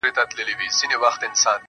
بلا وهلی يم، چي تا کوم بلا کومه.